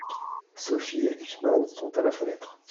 Sophie et Gusman sont à la fenêtre.